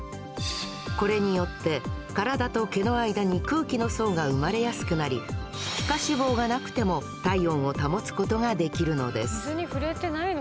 これによって体と毛の間に空気の層が生まれやすくなり皮下脂肪がなくても体温を保つことができるのです。